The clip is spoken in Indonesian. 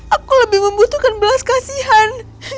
aku lebih membutuhkan belas kasihan